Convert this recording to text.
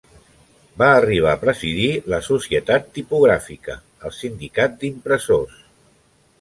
Va arribar a presidir la Societat Tipogràfica, el sindicat d'impressors.